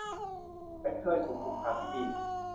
ฉันเคยถูกคุมขังที่นี่